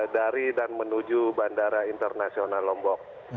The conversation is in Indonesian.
dari dan menuju bandara internasional lombok